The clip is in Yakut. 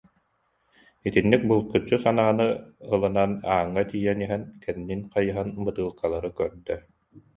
Итинник булгуччу санааны ылынан ааҥҥа тиийэн иһэн, кэннин хайыһан бытыылкаларын көрдө